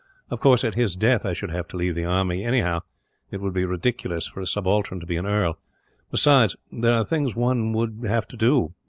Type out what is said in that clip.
Of course, at his death I should have to leave the army, anyhow. It would be ridiculous for a subaltern to be an earl; besides, there are things one would have to do.